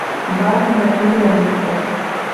Барыһын да түгел, әлбиттә.